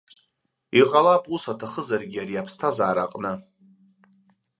Иҟалап ус аҭахызаргьы ари аԥсҭазаараҟны.